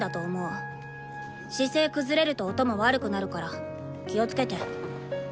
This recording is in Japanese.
姿勢崩れると音も悪くなるから気を付けて。